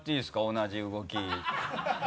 同じ動き。